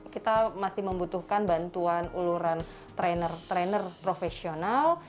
kita masih membutuhkan bantuan uluran trainer trainer profesional